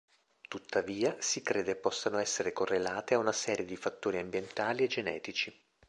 Tuttavia, si crede possano essere correlate a una serie di fattori ambientali e genetici.